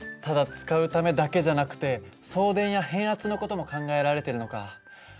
ただ使うためだけじゃなくて送電や変圧の事も考えられてるのか。